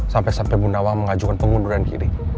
sampai sampai bu nawang mengajukan pengunduran diri